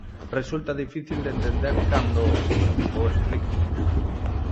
Resulta difícil de entender cando o explico.